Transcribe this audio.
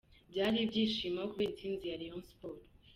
Byari ibyishimo kubera intsinzi ya Rayon Sport.